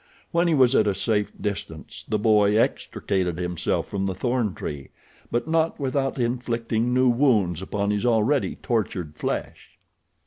When he was at a safe distance the boy extricated himself from the thorn tree; but not without inflicting new wounds upon his already tortured flesh.